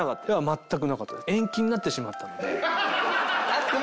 全くなかったです。